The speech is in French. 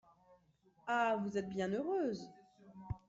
Ah ! vous êtes bien heureuse !